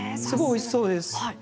すごいおいしそうです。